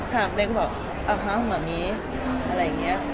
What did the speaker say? ถามแป๊กก็บอกอ่าฮะหม่ามีอะไรอย่างนี้